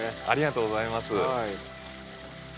ありがとうございます。